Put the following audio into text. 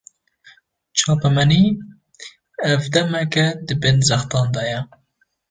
Çapemenî, ev demeke di bin zextan de ye